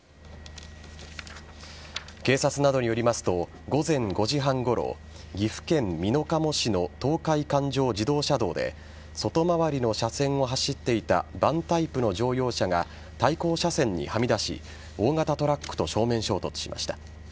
警察などによりますと午前５時半ごろ岐阜県美濃加茂市の東海環状自動車道で外回りの車線を走っていたバンタイプの乗用車が対向車線にはみ出し大型トラックと正面衝突しました。